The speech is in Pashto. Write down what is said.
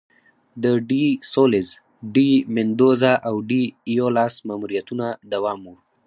د ډي سولیز، ډي میندوزا او ډي ایولاس ماموریتونه دوام و.